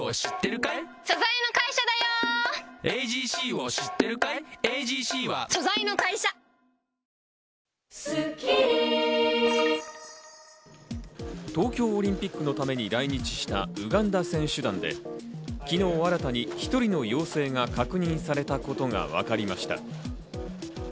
こうした中、東京オリンピックのために来日し、東京オリンピックのために来日したウガンダ選手団で昨日、新たに１人の陽性が確認されたことがわかりました。